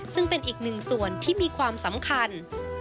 ซึ่งเป็นอีกหนึ่งส่วนที่มีความสำคัญ